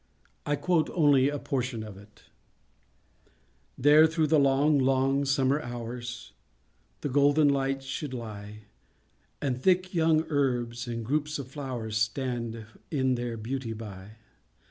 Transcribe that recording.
I quote only a portion of it:— There, through the long, long summer hours, The golden light should lie, And thick young herbs and groups of flowers Stand in their beauty by.